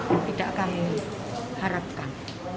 yang tidak kami harapkan